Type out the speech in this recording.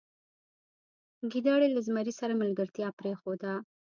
ګیدړې له زمري سره ملګرتیا پریښوده.